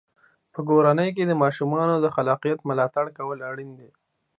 په کورنۍ کې د ماشومانو د خلاقیت ملاتړ کول اړین دی.